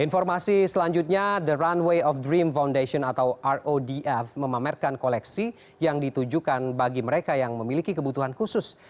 informasi selanjutnya the runway of dream foundation atau rodf memamerkan koleksi yang ditujukan bagi mereka yang memiliki kebutuhan khusus